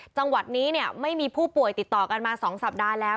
จังหวัดนี้ไม่มีผู้ป่วยติดต่อกันมา๒สัปดาห์แล้ว